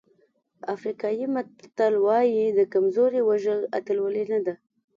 افریقایي متل وایي د کمزوري وژل اتلولي نه ده.